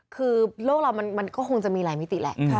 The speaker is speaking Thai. คือโลกเรามันก็คงจะมีหลายมิติแหละ